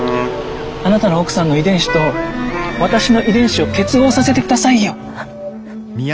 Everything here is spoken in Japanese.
あなたの奥さんの遺伝子と私の遺伝子を結合させてくださいよ。